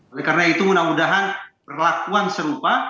oleh karena itu mudah mudahan perlakuan serupa